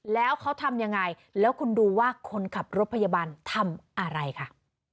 แล้วเขาทำยังไงแล้วคุณดูว่าคนขับรถพยาบาลทำอะไรค่ะ